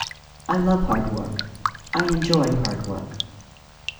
I love hard work; I enjoy hard work.